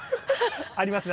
ありますね